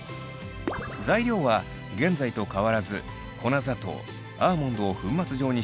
材料は現在と変わらず粉砂糖アーモンドを粉末状にしたアーモンドプードル